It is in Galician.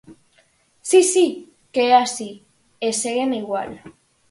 Si, si que é así, e seguen igual.